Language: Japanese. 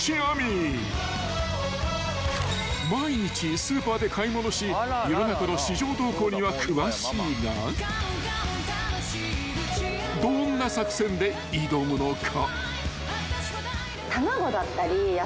［毎日スーパーで買い物し世の中の市場動向には詳しいがどんな作戦で挑むのか］